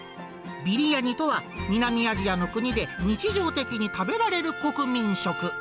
ビリヤニとは、南アジアの国で日常的に食べられる国民食。